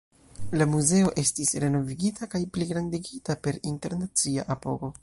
La muzeo estis renovigita kaj pligrandigita per internacia apogo.